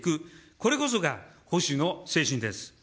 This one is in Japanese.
これこそが保守の精神です。